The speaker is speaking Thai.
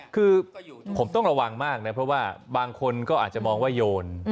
คือผมต้องระวังมากนะเพราะว่าบางคนก็อาจจะมองว่าโยน